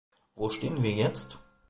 Wo stehen wir jetzt?